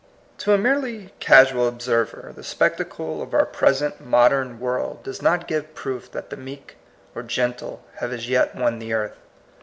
To a merely casual observer the spec tacle of our present modern world does not give proof that the meek or gentle have as yet won the earth.